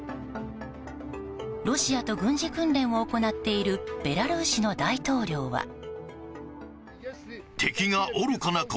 ロシアと軍事訓練を行っているベラルーシの大統領は。